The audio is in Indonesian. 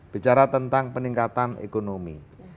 bicara tentang peningkatan ekonomi